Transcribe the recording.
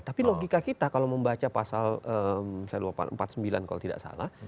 tapi logika kita kalau membaca pasal misalnya empat puluh sembilan kalau tidak salah